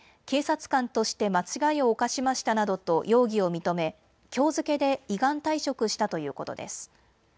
警察官として間違いを犯しましたなどと容疑を認めきょう付けで依願退職したということです。